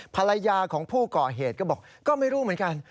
ภรรยาของผู้ก่อเหตุก็บอกก็ไม่รู้เหมือนกัน